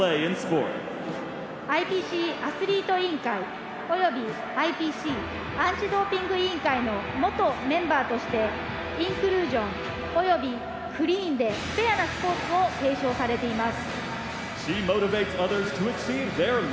ＩＰＣアスリート委員会およびＩＰＣアンチドーピング協議会の元メンバーとしてインクルージョンおよびクリーンでフェアなスポーツを提唱されています。